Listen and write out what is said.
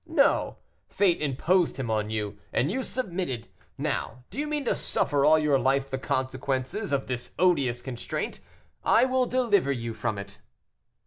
No; fate imposed him on you, and you submitted. Now, do you mean to suffer all your life the consequences, of this odious constraint? I will deliver you from it."